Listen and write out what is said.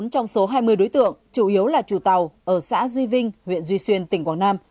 bốn trong số hai mươi đối tượng chủ yếu là chủ tàu ở xã duy vinh huyện duy xuyên tỉnh quảng nam